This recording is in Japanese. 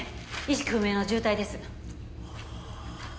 意識不明の重体です。